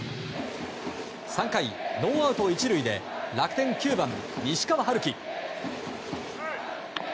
３回、ノーアウト１塁で楽天９番、西川遥輝。